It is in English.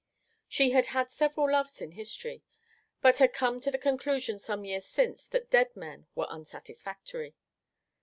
She had had several loves in history, but had come to the conclusion some years since that dead men were unsatisfactory.